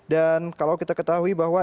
dan kalau kita ketahui bahwa